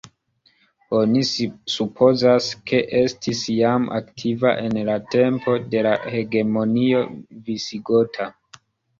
Oni supozas, ke estis jam aktiva en la tempo de la hegemonio visigota.